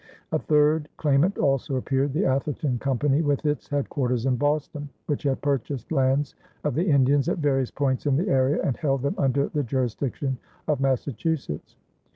A third claimant also appeared, the Atherton Company, with its headquarters in Boston, which had purchased lands of the Indians at various points in the area and held them under the jurisdiction of Massachusetts.